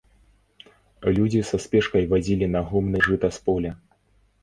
Людзі са спешкай вазілі на гумны жыта з поля.